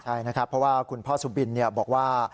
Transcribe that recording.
ใช่นะครับเพราะว่าคุณพ่อสุบินบอกว่า